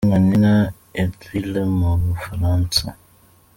Charly na Nina i Lille mu Bufaransa.